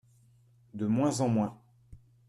De moins en moins.